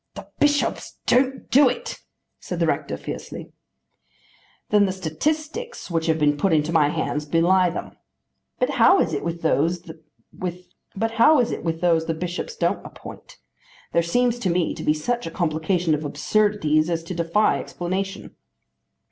"The bishops don't do it," said the rector fiercely. "Then the statistics which have been put into my hands belie them. But how is it with those the bishops don't appoint? There seems to me to be such a complication of absurdities as to defy explanation."